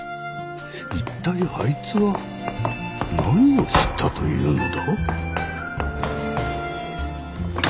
一体あいつは何を知ったというのだ？